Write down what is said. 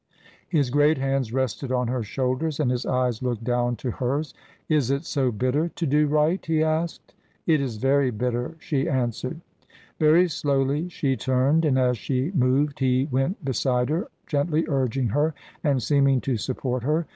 His great hands rested on her shoulders and his eyes looked down to hers. "Is it so bitter to do right?" he asked. "It is very bitter," she answered. Very slowly she turned, and as she moved he went beside her, gently urging her and seeming to support her.